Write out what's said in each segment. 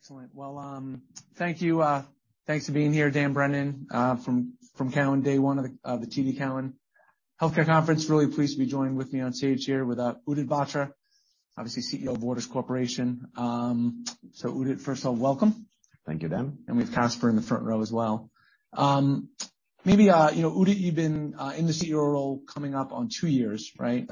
Excellent. Well, thank you. Thanks for being here, Dan Brennan, from Cowen. Day one of the TD Cowen Healthcare Conference. Really pleased to be joined with me on stage here with Udit Batra, obviously CEO of Waters Corporation. Udit, first of all, welcome. Thank you, Dan. We have Casper in the front row as well. Maybe, you know, Udit, you've been in the CEO role coming up on two years, right?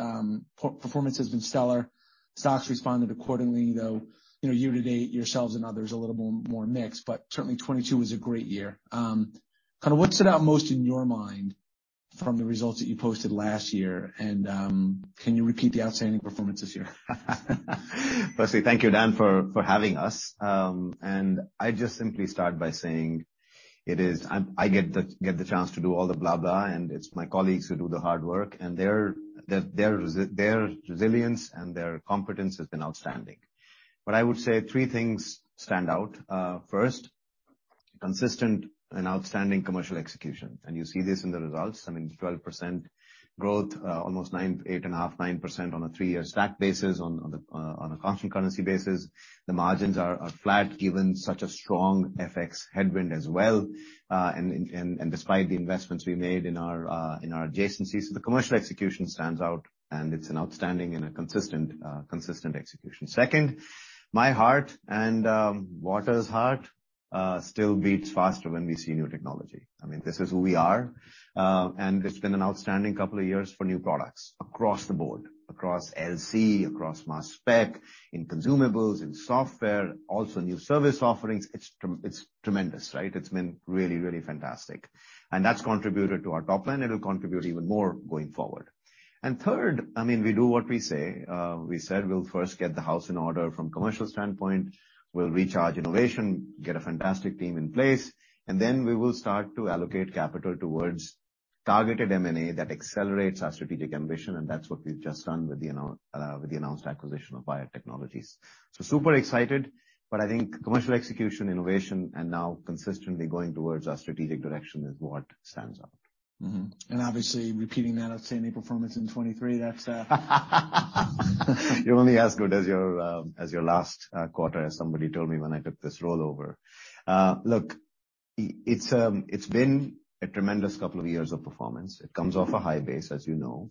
Performance has been stellar. Stock's responded accordingly, though, you know, year-to-date, yourselves and others a little more mixed, but certainly 2022 was a great year. Kind of what stood out most in your mind from the results that you posted last year? Can you repeat the outstanding performance this year? Firstly, thank you, Dan, for having us. I just simply start by saying it is. I get the chance to do all the blah, and it's my colleagues who do the hard work, and their resilience and their competence has been outstanding. I would say three things stand out. First, consistent and outstanding commercial execution. You see this in the results. I mean, 12% growth, almost 8.5%, 9% on a three-year stack basis on the constant currency basis. The margins are flat given such a strong FX headwind as well. Despite the investments we made in our adjacencies, the commercial execution stands out, and it's an outstanding and a consistent execution. Second, my heart and Waters' heart still beats faster when we see new technology. I mean, this is who we are. It's been an outstanding couple of years for new products across the board. Across LC, across mass spectrometry, in consumables, in software, also new service offerings. It's tremendous, right? It's been really, really fantastic. That's contributed to our top line. It'll contribute even more going forward. Third, I mean, we do what we say. We said we'll first get the house in order from commercial standpoint. We'll recharge innovation, get a fantastic team in place, and then we will start to allocate capital towards targeted M&A that accelerates our strategic ambition, and that's what we've just done with the announced acquisition of Wyatt Technology. super excited, but I think commercial execution, innovation, and now consistently going towards our strategic direction is what stands out. Mm-hmm. Obviously repeating that outstanding performance in 2023, that's. You're only as good as your, as your last quarter, as somebody told me when I took this rollover. Look, it's been a tremendous couple of years of performance. It comes off a high base, as you know.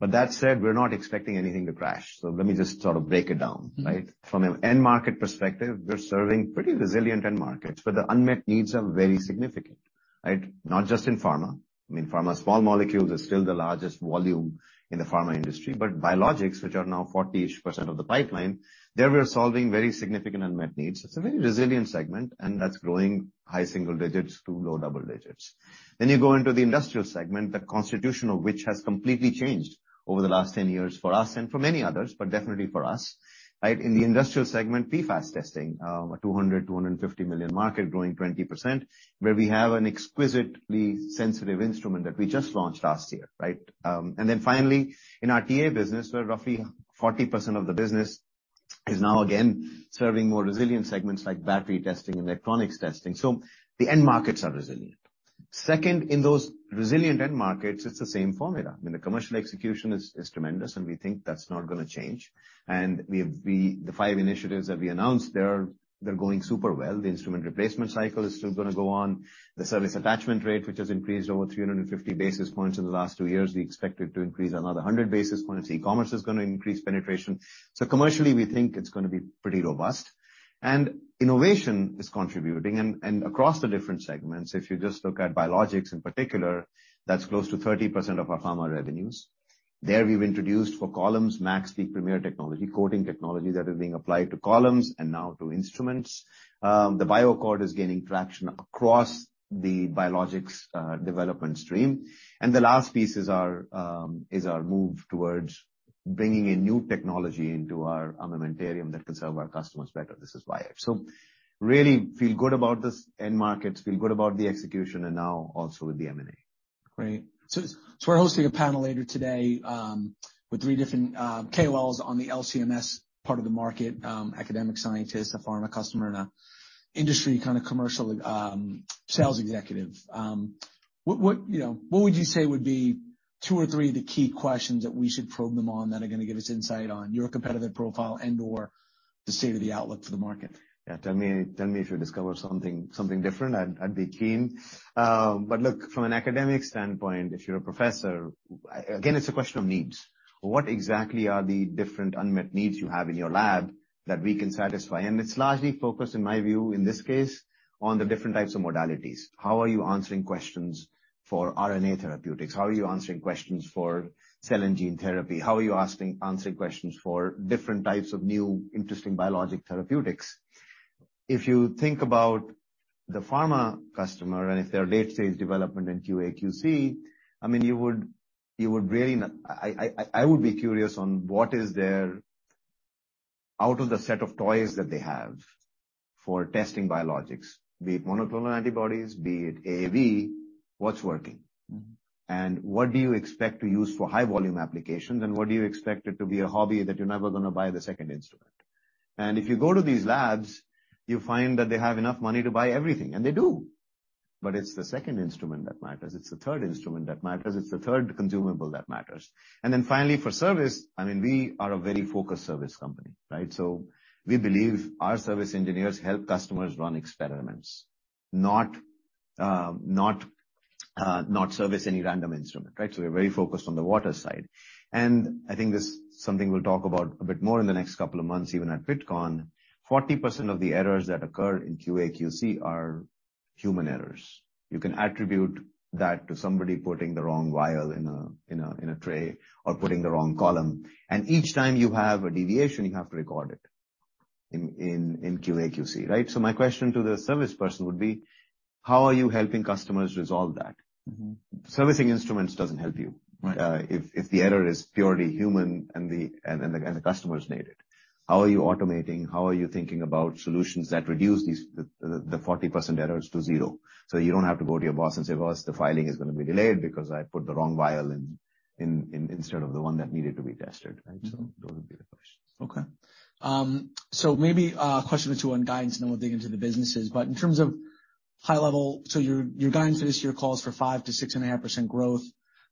That said, we're not expecting anything to crash. Let me just sort of break it down, right? Mm-hmm. From an end market perspective, we're serving pretty resilient end markets, but the unmet needs are very significant, right? Not just in pharma. I mean, pharma, small molecules are still the largest volume in the pharma industry. Biologics, which are now 40-ish % of the pipeline, there we are solving very significant unmet needs. It's a very resilient segment, that's growing high single digits to low double digits. You go into the industrial segment, the constitution of which has completely changed over the last 10 years for us and for many others, but definitely for us, right? In the industrial segment, PFAS testing, a $200 million-$250 million market growing 20%, where we have an exquisitely sensitive instrument that we just launched last year, right? Finally, in our TA business, where roughly 40% of the business is now again serving more resilient segments like battery testing and electronics testing. The end markets are resilient. Second, in those resilient end markets, it's the same formula. I mean, the commercial execution is tremendous, and we think that's not gonna change. We, the five initiatives that we announced, they're going super well. The instrument replacement cycle is still gonna go on. The service attachment rate, which has increased over 350 basis points in the last two years, we expect it to increase another 100 basis points. E-commerce is gonna increase penetration. Commercially, we think it's gonna be pretty robust. Innovation is contributing and across the different segments. If you just look at biologics in particular, that's close to 30% of our pharma revenues. There we've introduced four columns, MaxPeak Premier technology, coding technology that is being applied to columns and now to instruments. The BioAccord is gaining traction across the biologics development stream. The last piece is our move towards bringing in new technology into our armamentarium that can serve our customers better. This is why. Really feel good about this end markets, feel good about the execution and now also with the M&A. Great. We're hosting a panel later today with three different KOLs on the LC-MS part of the market, academic scientist, a pharma customer, and an industry kind of commercial sales executive. What, you know, what would you say would be two or three of the key questions that we should probe them on that are gonna give us insight on your competitive profile and/or the state of the outlook for the market? Yeah, tell me if you discover something different. I'd be keen. Look, from an academic standpoint, if you're a professor, again, it's a question of needs. What exactly are the different unmet needs you have in your lab that we can satisfy? It's largely focused, in my view, in this case, on the different types of modalities. How are you answering questions for RNA therapeutics? How are you answering questions for cell and gene therapy? How are you answering questions for different types of new interesting biologic therapeutics? If you think about the pharma customer, if they're late-stage development in QA/QC, I mean, you would really not... I would be curious on what is their out of the set of toys that they have for testing biologics, be it monoclonal antibodies, be it AAV, what's working? Mm-hmm. What do you expect to use for high volume applications and what do you expect it to be a hobby that you're never gonna buy the second instrument? If you go to these labs, you find that they have enough money to buy everything, and they do. It's the second instrument that matters, it's the third instrument that matters, it's the third consumable that matters. Finally, for service, I mean, we are a very focused service company, right? We believe our service engineers help customers run experiments, not service any random instrument, right? We're very focused on the Waters side. I think this something we'll talk about a bit more in the next couple of months, even at Pittcon. 40% of the errors that occur in QA/QC are human errors. You can attribute that to somebody putting the wrong vial in a tray or putting the wrong column. Each time you have a deviation, you have to record it in QA/QC, right? My question to the service person would be, how are you helping customers resolve that? Mm-hmm. Servicing instruments doesn't help you. Right. If the error is purely human and the customer's needed. How are you automating? How are you thinking about solutions that reduce these 40% errors to zero, so you don't have to go to your Boss and say, "Boss, the filing is gonna be delayed because I put the wrong vial instead of the one that needed to be tested." Right? Those would be the questions. Maybe a question or two on guidance, and then we'll dig into the businesses. In terms of high level, your guidance for this year calls for 5%-6.5% growth.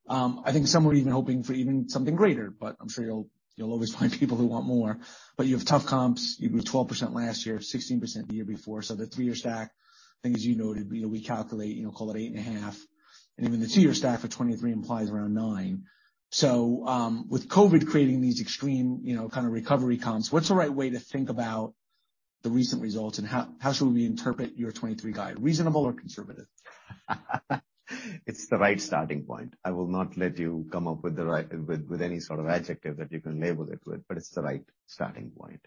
I think some were even hoping for even something greater, but I'm sure you'll always find people who want more. You have tough comps. You grew 12% last year, 16% the year before. The three-year stack, I think as you noted, you know, we calculate, you know, call it 8.5, and even the two-year stack for 2023 implies around 9. With COVID creating these extreme, you know, kind of recovery comps, what's the right way to think about the recent results, and how should we interpret your 2023 guide, reasonable or conservative? It's the right starting point. I will not let you come up with the right with any sort of adjective that you can label it with, but it's the right starting point.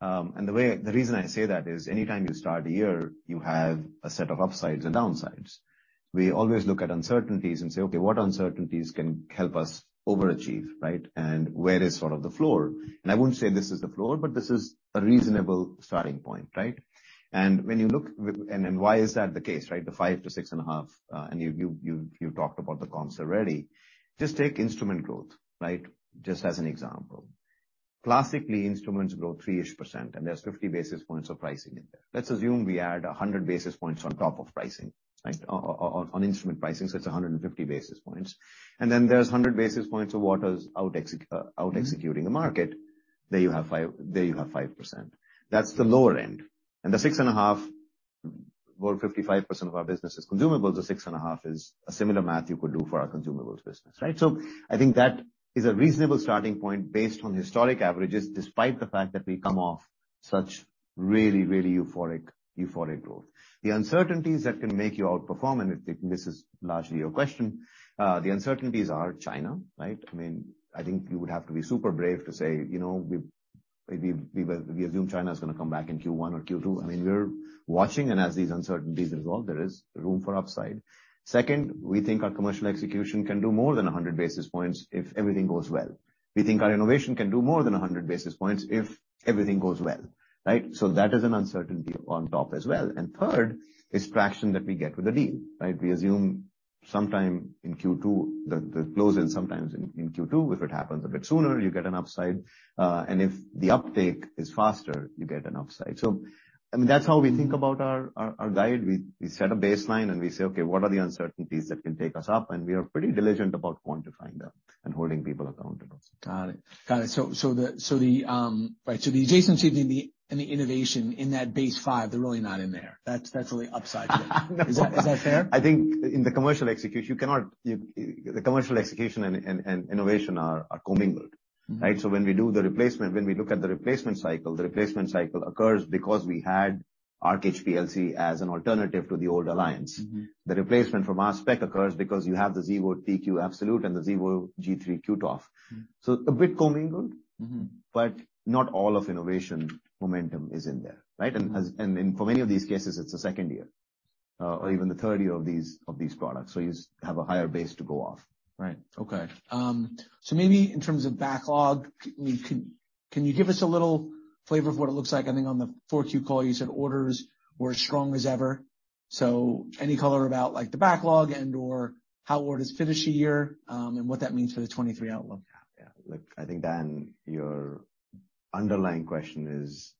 The reason I say that is anytime you start a year, you have a set of upsides and downsides. We always look at uncertainties and say, "Okay, what uncertainties can help us overachieve, right? And where is sort of the floor?" I wouldn't say this is the floor, but this is a reasonable starting point, right? Why is that the case, right? The 5%-6.5%, and you talked about the comps already. Just take instrument growth, right? Just as an example. Classically, instruments grow 3%ish, and there's 50 basis points of pricing in there. Let's assume we add 100 basis points on top of pricing, right? On instrument pricing, so it's 150 basis points. Then there's 100 basis points of Waters out executing the market. There you have 5%. That's the lower end. The six and a half, well, 55% of our business is consumables. The six and a half is a similar math you could do for our consumables business, right? I think that is a reasonable starting point based on historic averages, despite the fact that we come off such really euphoric growth. The uncertainties that can make you outperform, and if this is largely your question, the uncertainties are China, right? I mean, I think you would have to be super brave to say, you know, we assume China is gonna come back in Q1 or Q2. I mean, we're watching. As these uncertainties resolve, there is room for upside. Second, we think our commercial execution can do more than 100 basis points if everything goes well. We think our innovation can do more than 100 basis points if everything goes well, right? That is an uncertainty on top as well. Third is traction that we get with the deal, right? We assume sometime in Q2, the close-in sometimes in Q2. If it happens a bit sooner, you get an upside. If the uptake is faster, you get an upside. I mean, that's how we think about our guide. We set a baseline and we say, "Okay, what are the uncertainties that can take us up?" We are pretty diligent about quantifying them and holding people accountable. Got it. Got it. Right. The adjacency and the, and the innovation in that base 5, they're really not in there. That's really upside for you. Is that fair? The commercial execution and innovation are commingled, right? Mm-hmm. When we do the replacement, when we look at the replacement cycle, the replacement cycle occurs because we had Arc HPLC as an alternative to the old Alliance. Mm-hmm. The replacement from our spec occurs because you have the Xevo TQ Absolute and the Xevo G3 QTof. Mm-hmm. A bit commingled. Mm-hmm. Not all of innovation momentum is in there, right? Mm-hmm. For many of these cases, it's the second year, or even the third year of these products. You have a higher base to go off. Right. Okay. maybe in terms of backlog, can you give us a little flavor of what it looks like? I think on the 4Q call you said orders were as strong as ever. any color about like the backlog and/or how orders finish a year, and what that means for the 2023 outlook? Yeah. Look, I think, Dan, your underlying question is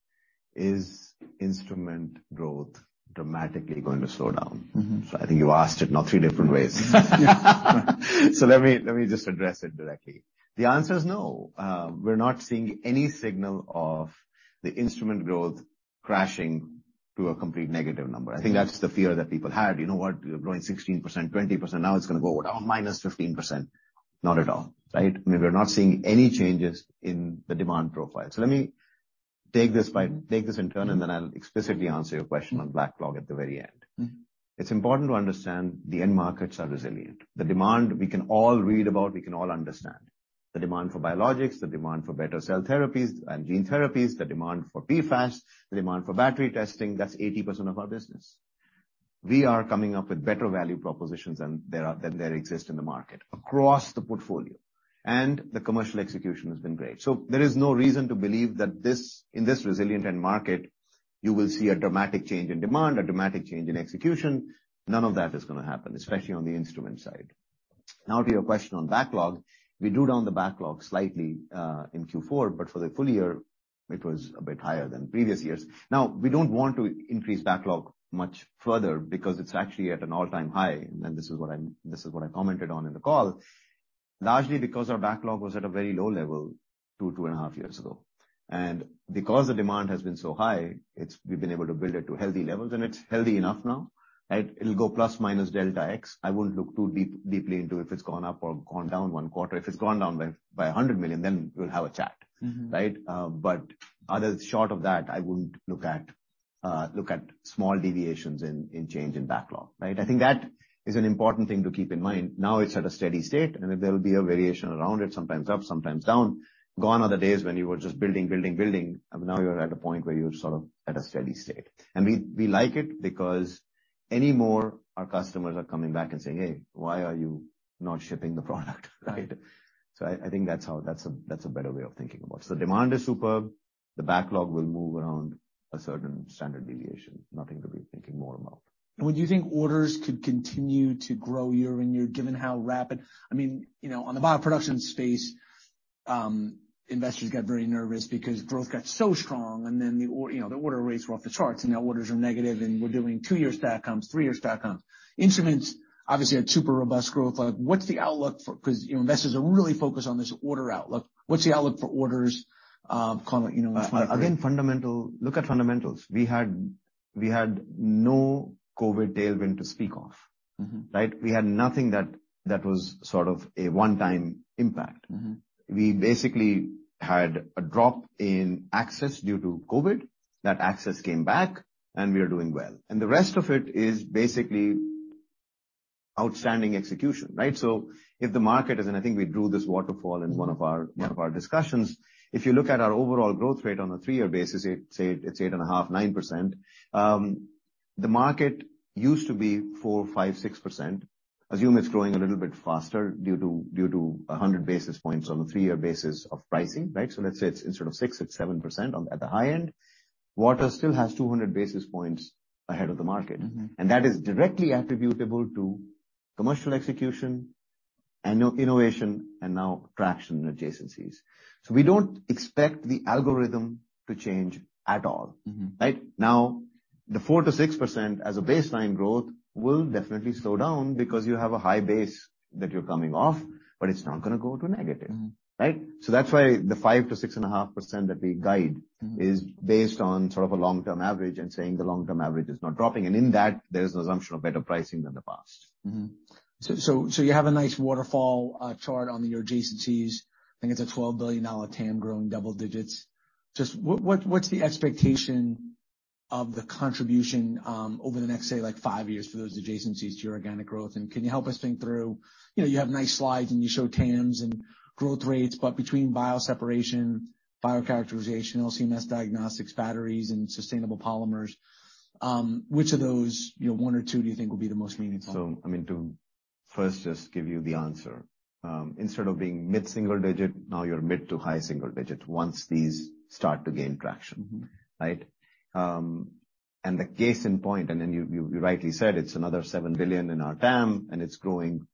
instrument growth dramatically going to slow down? Mm-hmm. I think you asked it now three different ways. Let me just address it directly. The answer is no. We're not seeing any signal of the instrument growth crashing to a complete negative number. I think that's the fear that people had. You know what? We are growing 16%, 20%. Now it's gonna go, oh, minus 15%. Not at all. Right? We're not seeing any changes in the demand profile. Let me take this in turn, and then I'll explicitly answer your question on backlog at the very end. Mm-hmm. It's important to understand the end markets are resilient. The demand we can all read about, we can all understand. The demand for biologics, the demand for better cell therapies and gene therapies, the demand for PFAS, the demand for battery testing, that's 80% of our business. We are coming up with better value propositions than there are, than there exist in the market across the portfolio, and the commercial execution has been great. There is no reason to believe that this, in this resilient end market, you will see a dramatic change in demand, a dramatic change in execution. None of that is gonna happen, especially on the instrument side. To your question on backlog, we drew down the backlog slightly in Q4, but for the full year it was a bit higher than previous years. We don't want to increase backlog much further because it's actually at an all-time high, and this is what I commented on in the call. Largely because our backlog was at a very low level two and a half years ago. Because the demand has been so high, we've been able to build it to healthy levels, and it's healthy enough now. It'll go plus minus delta X. I wouldn't look too deeply into if it's gone up or gone down one quarter. If it's gone down by $100 million, we'll have a chat. Mm-hmm. Right? Short of that, I wouldn't look at small deviations in change in backlog, right? Mm-hmm. I think that is an important thing to keep in mind. Now it's at a steady state, and there will be a variation around it, sometimes up, sometimes down. Gone are the days when you were just building, building. Now you're at a point where you're sort of at a steady state. We like it because any more, our customers are coming back and saying, "Hey, why are you not shipping the product?" Right? I think that's a better way of thinking about it. Demand is superb. The backlog will move around a certain standard deviation. Nothing to be thinking more about. Would you think orders could continue to grow year-over-year, I mean, you know, on the bioproduction space, investors got very nervous because growth got so strong, and then you know, the order rates were off the charts, and now orders are negative, and we're doing two years back comps, three years back comps, Instruments obviously had super robust growth. Like, 'cause, you know, investors are really focused on this order outlook, what's the outlook for orders, call it, you know, in the final period? Again, fundamental. Look at fundamentals. We had no COVID tailwind to speak of. Mm-hmm. Right? We had nothing that was sort of a one-time impact. Mm-hmm. We basically had a drop in access due to COVID. That access came back, we are doing well. The rest of it is basically outstanding execution, right? If the market is, and I think we drew this waterfall in one of our discussions. If you look at our overall growth rate on a three-year basis, it's 8.5, 9%. The market used to be 4, 5, 6%. Assume it's growing a little bit faster due to 100 basis points on a three-year basis of pricing, right? Let's say it's instead of six, it's 7% at the high end. Waters still has 200 basis points ahead of the market. Mm-hmm. That is directly attributable to commercial execution and no innovation and now traction adjacencies. We don't expect the algorithm to change at all. Mm-hmm. Right? The 4%-6% as a baseline growth will definitely slow down because you have a high base that you're coming off, but it's not gonna go to negative. Mm-hmm. Right? That's why the 5% to 6.5% that we... Mm-hmm. is based on sort of a long-term average and saying the long-term average is not dropping. In that, there's an assumption of better pricing than the past. You have a nice waterfall chart on the adjacencies. I think it's a $12 billion TAM growing double digits. Just what's the expectation of the contribution over the next, say, like five years for those adjacencies to your organic growth? Can you help us think through. You know, you have nice slides, and you show TAMs and growth rates, but between bioseparations, biocharacterization, LC-MS diagnostics, batteries, and sustainable polymers, which of those, you know, one or two do you think will be the most meaningful? I mean, to first just give you the answer. Instead of being mid-single digit, now you're mid to high single digit once these start to gain traction. Mm-hmm. Right? The case in point, then you rightly said it's another $7 billion in our TAM, and it's growing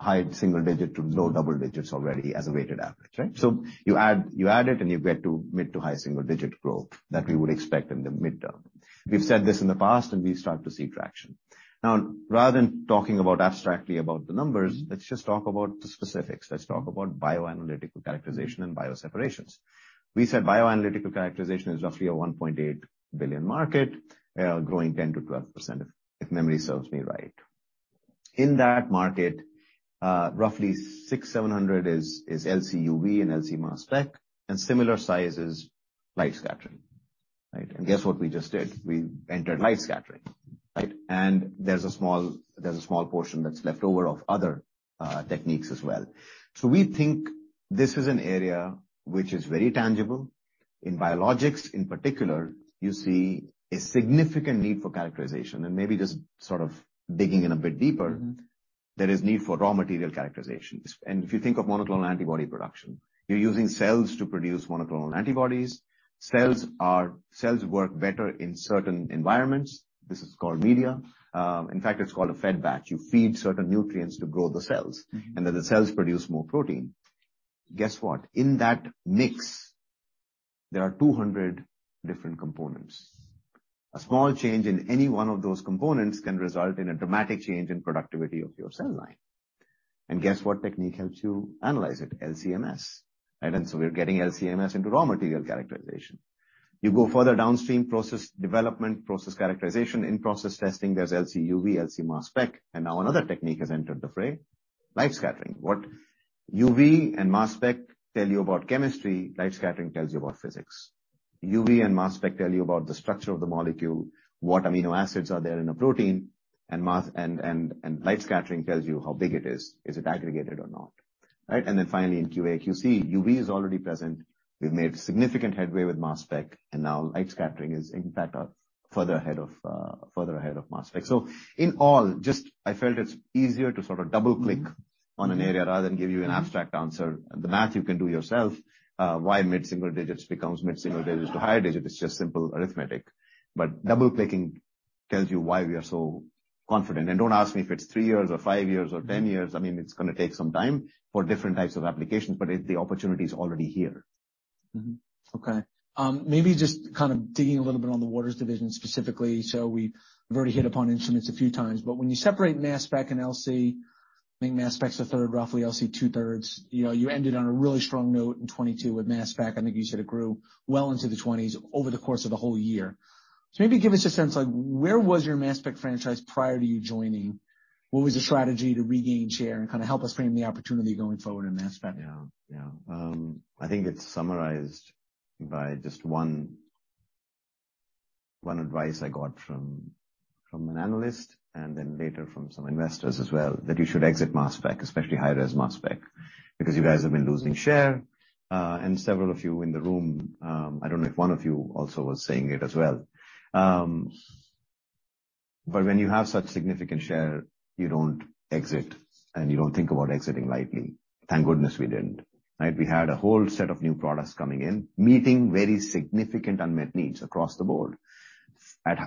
high single-digit to low double-digit already as a weighted average. Right? You add it, and you get to mid- to high single-digit growth that we would expect in the midterm. We've said this in the past, and we start to see traction. Now, rather than talking about abstractly about the numbers, let's just talk about the specifics. Let's talk about bioanalytical characterization and bioseparations. We said bioanalytical characterization is roughly a $1.8 billion market, growing 10%-12%, if memory serves me right. In that market, roughly $600-$700 is LC UV and LC-MS, and similar size is light scattering. Right? Guess what we just did? We entered light scattering, right? There's a small portion that's left over of other techniques as well. We think this is an area which is very tangible. In biologics in particular, you see a significant need for characterization. Maybe just sort of digging in a bit deeper... Mm-hmm. there is need for raw material characterization. If you think of monoclonal antibody production, you're using cells to produce monoclonal antibodies. Cells work better in certain environments. This is called media. In fact, it's called a fed-batch. You feed certain nutrients to grow the cells. Mm-hmm. The cells produce more protein. Guess what? In that mix, there are 200 different components. A small change in any one of those components can result in a dramatic change in productivity of your cell line. Guess what technique helps you analyze it? LC-MS. Right? We're getting LC-MS into raw material characterization. You go further downstream, process development, process characterization, in-process testing. There's LC UV, LC mass spectrometry, and now another technique has entered the fray, light scattering. What UV and mass spectrometry tell you about chemistry, light scattering tells you about physics. UV and mass spectrometry tell you about the structure of the molecule, what amino acids are there in a protein, and mass and light scattering tells you how big it is. Is it aggregated or not? Right? Finally in QA, QC, UV is already present. We've made significant headway with mass spectrometry. Now light scattering is in fact further ahead of mass spectrometry. In all, just I felt it's easier to sort of double-click on an area rather than give you an abstract answer. The math you can do yourself. Why mid single digits becomes mid single digits to higher digit is just simple arithmetic. Double-clicking tells you why we are so confident. Don't ask me if it's three years or five years or 10 years. I mean, it's gonna take some time for different types of applications, but the opportunity is already here. Okay. Maybe just kind of digging a little bit on the Waters specifically. We've already hit upon instruments a few times, but when you separate mass spectrometry and LC, I think mass spectrometry's 1/3, roughly LC 2/3. You know, you ended on a really strong note in 2022 with mass spectrometry. I think you said it grew well into the 20s over the course of the whole year. Maybe give us a sense, like where was your mass spectrometry franchise prior to you joining? What was the strategy to regain share? Kinda help us frame the opportunity going forward in mass spectrometry. Yeah, yeah. I think it's summarized by just one advice I got from an analyst and then later from some investors as well, that you should exit mass spec, especially high-res mass spec, because you guys have been losing share. And several of you in the room, I don't know if one of you also was saying it as well. When you have such significant share, you don't exit, and you don't think about exiting lightly. Thank goodness we didn't, right? We had a whole set of new products coming in, meeting very significant unmet needs across the board.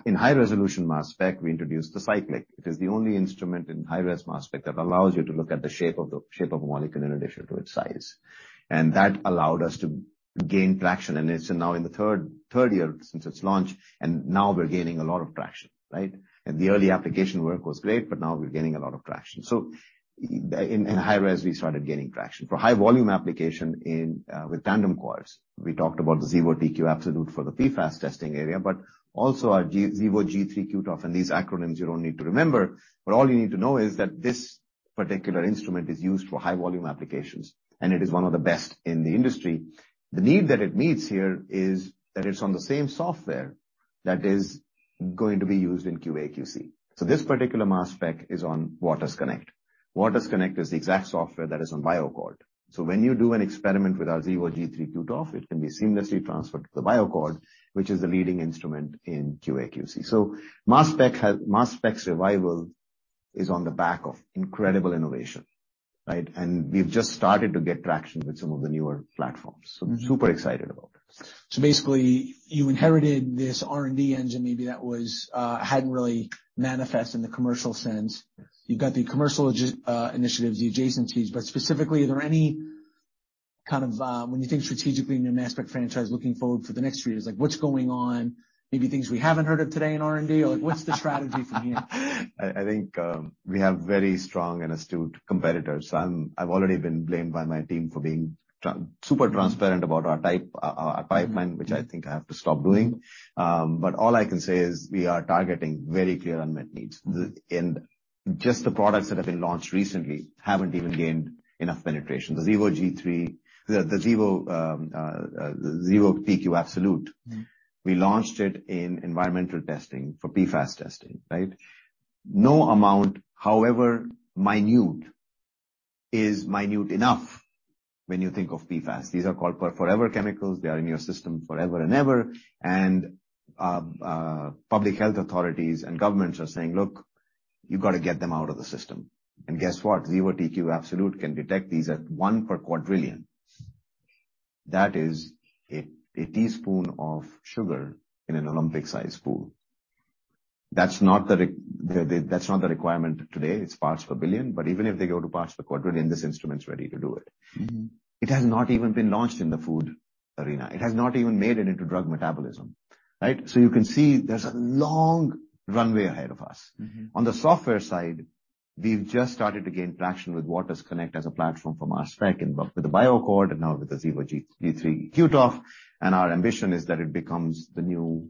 In high resolution mass spec, we introduced the cyclic. It is the only instrument in high-res mass spec that allows you to look at the shape of a molecule in addition to its size. That allowed us to gain traction, and it's now in the 3rd year since its launch, and now we're gaining a lot of traction, right? The early application work was great, but now we're gaining a lot of traction. In high-res we started gaining traction. For high volume application with tandem quads. We talked about the Xevo TQ Absolute for the PFAS testing area, but also our Xevo G3 QTof. These acronyms you don't need to remember, but all you need to know is that this particular instrument is used for high volume applications, and it is one of the best in the industry. The need that it meets here is that it's on the same software that is going to be used in QA/QC. This particular mass spec is on Waters_connect. Waters_connect is the exact software that is on BioAccord. When you do an experiment with our Xevo G3 QTof, it can be seamlessly transferred to the BioAccord, which is the leading instrument in QA/QC. Mass spec's revival is on the back of incredible innovation, right? We've just started to get traction with some of the newer platforms, so I'm super excited about it. Basically, you inherited this R&D engine maybe that was, hadn't really manifested in the commercial sense. Yes. You've got the commercial initiatives, the adjacencies, but specifically, are there any kind of, when you think strategically in the mass spectrometry franchise, looking forward for the next few years, like what's going on? Maybe things we haven't heard of today in R&D or like what's the strategy from here? I think, we have very strong and astute competitors. I've already been blamed by my team for being super transparent about our type, our pipeline, which I think I have to stop doing. All I can say is we are targeting very clear unmet needs. Mm-hmm. In just the products that have been launched recently haven't even gained enough penetration. The Xevo G3... Xevo TQ Absolute. Mm-hmm. we launched it in environmental testing for PFAS testing, right? No amount, however minute, is minute enough when you think of PFAS. These are called forever chemicals. They are in your system forever and ever. public health authorities and governments are saying, "Look, you've got to get them out of the system." Guess what? Xevo TQ Absolute can detect these at 1 per quadrillion. That is a teaspoon of sugar in an Olympic-sized pool. That's not the requirement today. It's parts per billion. Even if they go to parts per quadrillion, this instrument's ready to do it. Mm-hmm. It has not even been launched in the food arena. It has not even made it into drug metabolism, right? You can see there's a long runway ahead of us. Mm-hmm. On the software side, we've just started to gain traction with waters_connect as a platform for mass spectrometry and with the BioAccord and now with the Xevo G3 QTof. Our ambition is that it becomes the new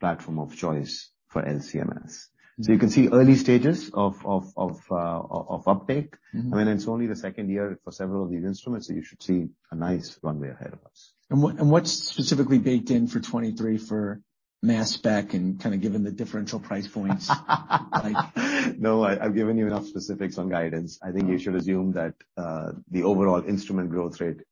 platform of choice for LC-MS. You can see early stages of uptake. Mm-hmm. I mean, it's only the second year for several of these instruments, so you should see a nice runway ahead of us. What's specifically baked in for 2023 for mass spectrometry and kinda given the differential price points? I've given you enough specifics on guidance. I think you should assume that the overall instrument growth rate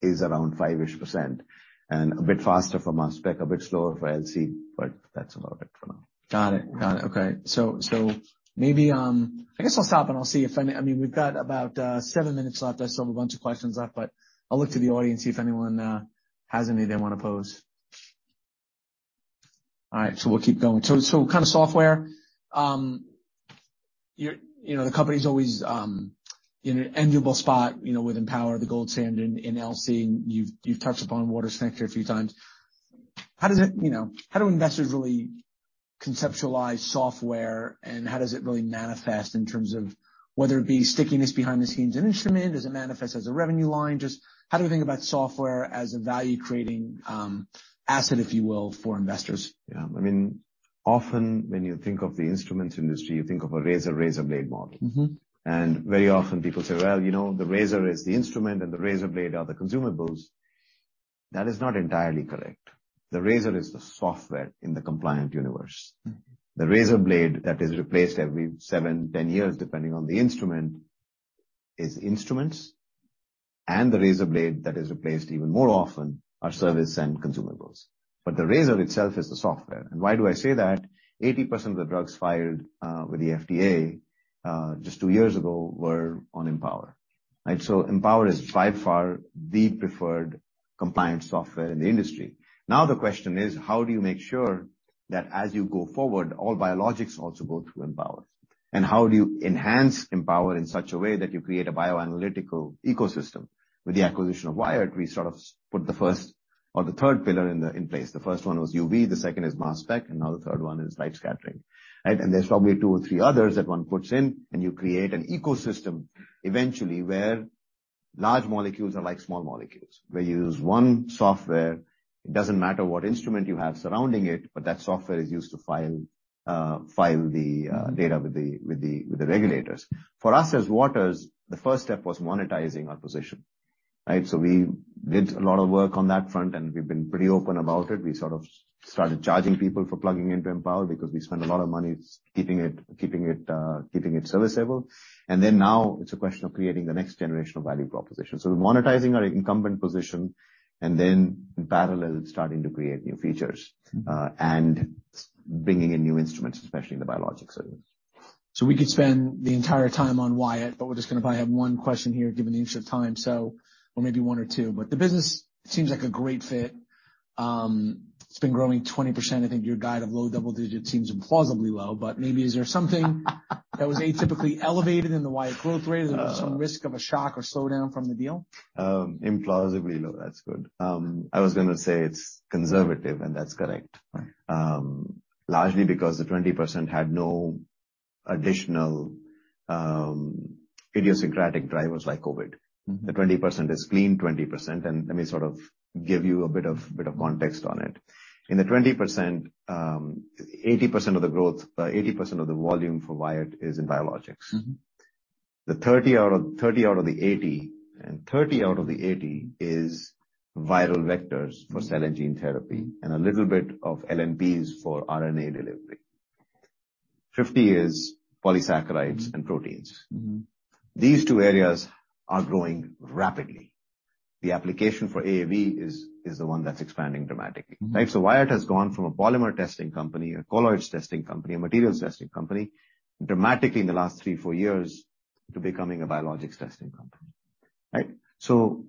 is around five-ish% and a bit faster for mass spectrometry, a bit slower for LC, but that's about it for now. Got it. Got it. Okay. I guess I'll stop and I'll see if any... I mean, we've got about 7 minutes left. I still have a bunch of questions left, but I'll look to the audience, see if anyone has any they wanna pose. All right, we'll keep going. Kinda software. You know, the company's always in an enviable spot, you know, with Empower, the gold standard in LC, and you've touched upon waters_connect a few times. How does it, you know, how do investors really conceptualize software and how does it really manifest in terms of whether it be stickiness behind the scenes, an instrument, does it manifest as a revenue line? Just how do we think about software as a value-creating asset, if you will, for investors? Yeah. I mean, often when you think of the instruments industry, you think of a razor-razor blade model. Mm-hmm. Very often people say, "Well, you know, the razor is the instrument and the razor blade are the consumables." That is not entirely correct. The razor is the software in the compliant universe. Mm-hmm. The razor blade that is replaced every seven, 10 years, depending on the instrument, is instruments. The razor blade that is replaced even more often are service and consumables. The razor itself is the software. Why do I say that? 80% of the drugs filed with the FDA, just two years ago were on Empower. Empower is by far the preferred compliance software in the industry. Now, the question is, how do you make sure that as you go forward, all biologics also go through Empower? How do you enhance Empower in such a way that you create a bioanalytical ecosystem? With the acquisition of Wyatt, we sort of put the 1st or the 3rd pillar in place. The 1st one was UV, the second is mass spectrometry, now the third one is light scattering. Right? There's probably two or three others that one puts in, and you create an ecosystem eventually where large molecules are like small molecules, where you use one software. It doesn't matter what instrument you have surrounding it, but that software is used to file the data with the regulators. For us as Waters, the first step was monetizing our position, right? We did a lot of work on that front, and we've been pretty open about it. We sort of started charging people for plugging into Empower because we spend a lot of money keeping it service able. Now it's a question of creating the next generation of value proposition. We're monetizing our incumbent position and then in parallel starting to create new features, and bringing in new instruments, especially in the biologics area. We could spend the entire time on Wyatt, but we're just gonna probably have one question here given the interest of time. Well, maybe one or two. The business seems like a great fit. It's been growing 20%. I think your guide of low double digit seems implausibly low, but maybe is there something that was atypically elevated in the Wyatt growth rate? Is there some risk of a shock or slowdown from the deal? Implausibly low. That's good. I was gonna say it's conservative, that's correct. Right. largely because the 20% had no additional idiosyncratic drivers like COVID. Mm-hmm. The 20% is clean 20%. Let me sort of give you a bit of context on it. In the 20%, 80% of the volume for Wyatt is in biologics. Mm-hmm. The 30 out of the 80, and 30 out of the 80 is viral vectors for cell and gene therapy, and a little bit of LNPs for RNA delivery. 50 is polysaccharides and proteins. Mm-hmm. These two areas are growing rapidly. The application for AAV is the one that's expanding dramatically. Mm-hmm. Right? So Wyatt has gone from a polymer testing company, a colloids testing company, a materials testing company, dramatically in the last three, four years, to becoming a biologics testing company, right?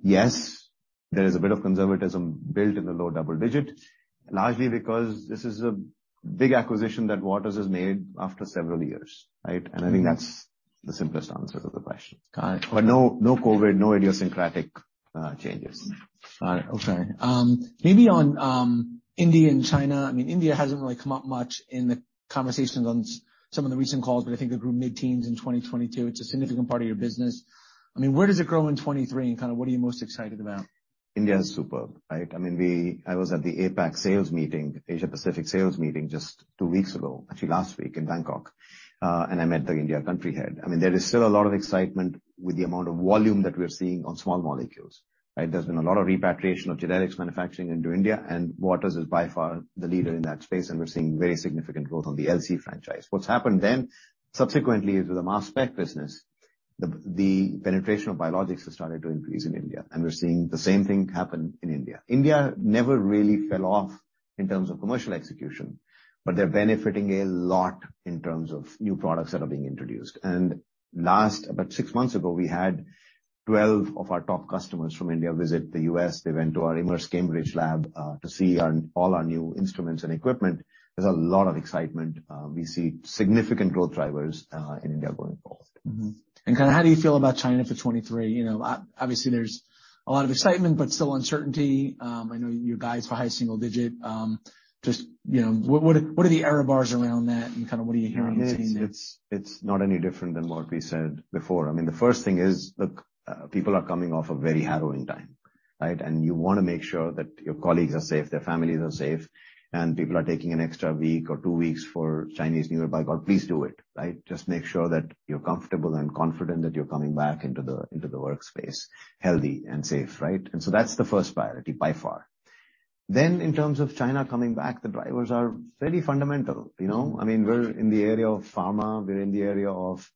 Yes, there is a bit of conservatism built in the low double-digit, largely because this is a big acquisition that Waters has made after several years, right? Mm-hmm. I think that's the simplest answer to the question. Got it. Okay. No, no COVID, no idiosyncratic changes. All right. Okay. maybe on India and China. I mean, India hasn't really come up much in the conversations on some of the recent calls, but I think the group mid-teens in 2022. It's a significant part of your business. I mean, where does it grow in 2023, and kinda what are you most excited about? India is superb, right? I mean, I was at the APAC sales meeting, Asia Pacific sales meeting just two weeks ago, actually last week in Bangkok, and I met the India country head. I mean, there is still a lot of excitement with the amount of volume that we're seeing on small molecules, right? There's been a lot of repatriation of generics manufacturing into India, and Waters is by far the leader in that space, and we're seeing very significant growth on the LC franchise. What's happened then subsequently with the mass spec business, the penetration of biologics has started to increase in India, and we're seeing the same thing happen in India. India never really fell off in terms of commercial execution, but they're benefiting a lot in terms of new products that are being introduced. Last, about six months ago, we had 12 of our top customers from India visit the U.S. They went to our Immerse Cambridge lab, to see our, all our new instruments and equipment. There's a lot of excitement. We see significant growth drivers in India going forward. Mm-hmm. Kinda how do you feel about China for 23? You know, obviously there's a lot of excitement, but still uncertainty. I know you guys were high single digit. Just, you know, what are the error bars around that and kinda what are you hearing on the team's end? It's not any different than what we said before. I mean, the first thing is, look, people are coming off a very harrowing time, right? You wanna make sure that your colleagues are safe, their families are safe, and people are taking an extra week or 2 weeks for Chinese New Year. By God, please do it, right? Just make sure that you're comfortable and confident that you're coming back into the workspace healthy and safe, right? That's the first priority by far. In terms of China coming back, the drivers are very fundamental, you know? I mean, we're in the area of pharma. We're in the area of,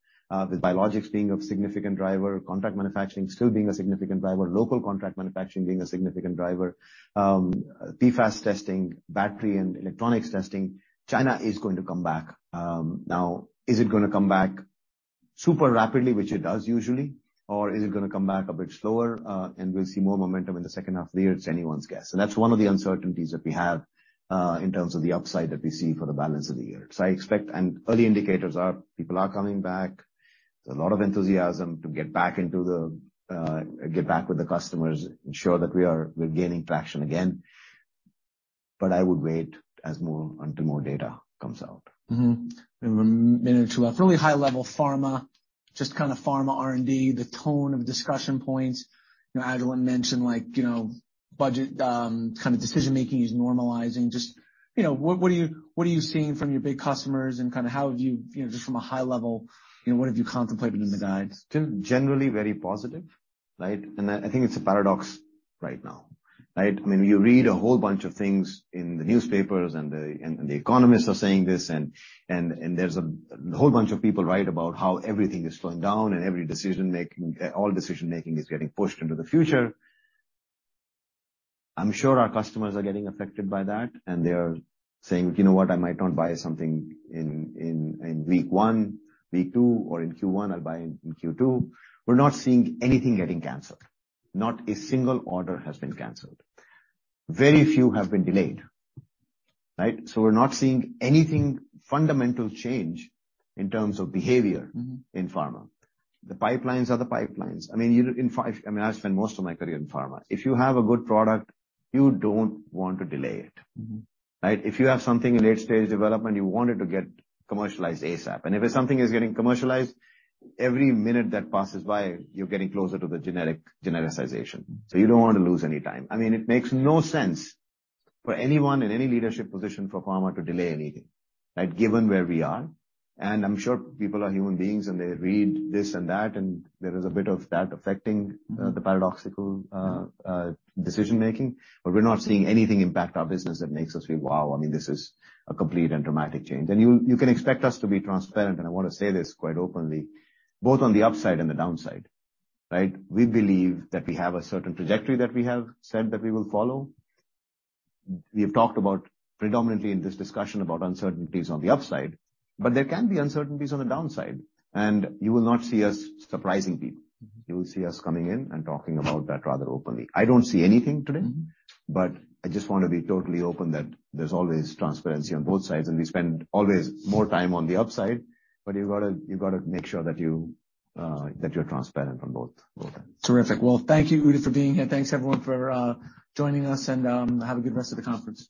with biologics being a significant driver, contract manufacturing still being a significant driver, local contract manufacturing being a significant driver, PFAS testing, battery and electronics testing. China is going to come back. Now is it gonna come back super rapidly, which it does usually, or is it gonna come back a bit slower, and we'll see more momentum in the second half of the year? It's anyone's guess. That's one of the uncertainties that we have, in terms of the upside that we see for the balance of the year. I expect, and early indicators are people are coming back. There's a lot of enthusiasm to get back with the customers, ensure that we're gaining traction again. I would wait as more, until more data comes out. We have a minute or two left. Really high level pharma, just kinda pharma R&D, the tone of discussion points. You know, Agilent mentioned like, you know, budget, kind of decision-making is normalizing. Just, you know, what are you seeing from your big customers and kinda how have you know, just from a high level, you know, what have you contemplated in the guides? Generally very positive, right? I think it's a paradox right now, right? I mean, you read a whole bunch of things in the newspapers and the economists are saying this and there's a whole bunch of people write about how everything is slowing down and all decision-making is getting pushed into the future. I'm sure our customers are getting affected by that, and they're saying, "You know what? I might not buy something in week one, week two, or in Q1. I'll buy in Q2." We're not seeing anything getting canceled. Not a single order has been canceled. Very few have been delayed, right? We're not seeing anything fundamental change in terms of behavior. Mm-hmm. in pharma. The pipelines are the pipelines. I mean, you know, I mean, I spent most of my career in pharma. If you have a good product, you don't want to delay it. Mm-hmm. Right? If you have something in late-stage development, you want it to get commercialized ASAP. If something is getting commercialized, every minute that passes by, you're getting closer to the genericization. You don't want to lose any time. I mean, it makes no sense for anyone in any leadership position for pharma to delay anything, right, given where we are. I'm sure people are human beings and they read this and that, and there is a bit of that. Mm-hmm. the paradoxical decision-making. We're not seeing anything impact our business that makes us say, "Wow, I mean, this is a complete and dramatic change." You can expect us to be transparent, and I wanna say this quite openly, both on the upside and the downside, right? We believe that we have a certain trajectory that we have said that we will follow. We have talked about predominantly in this discussion about uncertainties on the upside. There can be uncertainties on the downside, and you will not see us surprising people. You will see us coming in and talking about that rather openly. I don't see anything today. Mm-hmm. I just wanna be totally open that there's always transparency on both sides, and we spend always more time on the upside, but you've gotta make sure that you that you're transparent on both ends. Terrific. Well, thank you, Udit, for being here. Thanks, everyone for joining us, and have a good rest of the conference.